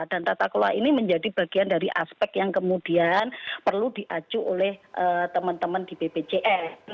dan tata kelola ini menjadi bagian dari aspek yang kemudian perlu diaju oleh teman teman di bpjs